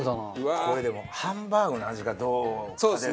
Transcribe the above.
これでもハンバーグの味がどうかですよ。